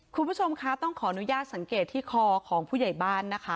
คุณผู้ชมคะต้องขออนุญาตสังเกตที่คอของผู้ใหญ่บ้านนะคะ